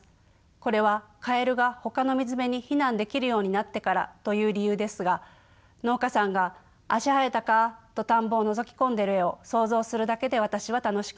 これはカエルがほかの水辺に避難できるようになってからという理由ですが農家さんが「足生えたか？」と田んぼをのぞき込んでいる絵を想像するだけで私は楽しくなります。